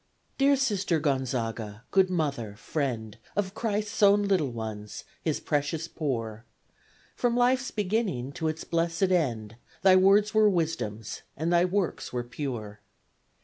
Dear Sister Gonzaga! good mother, friend Of Christ's own little ones His precious poor! From Life's beginning to its blessed end Thy Words were Wisdom's, and thy works were pure.